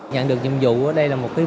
nhận được nhiệm vụ đây là một vinh dự